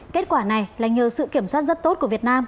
kết quả này là nhờ sự kiểm soát rất tốt của việt nam